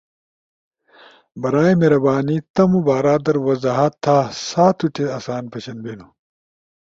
برائے مہربانی تمو بارا در وضاحت تھا سا تو تے آسان پشن بینو۔